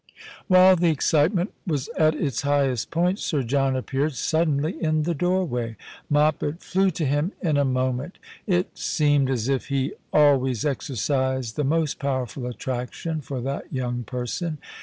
While the excitement was at its highest point Sir John appeared suddenly in the doorway. IVEoppet flew to him in a moment. It seemed as if he always exercised the most powerful attraction for that young person.